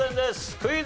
クイズ。